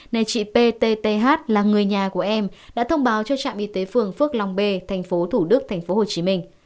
nên chị ptth là người nhà của em đã thông báo cho trạm y tế phường phước long b tp thủ đức tp hcm